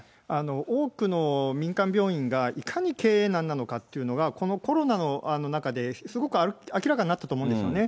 多くの民間病院が、いかに経営難なのかっていうのが、このコロナの中で、すごく明らかになったと思うんですよね。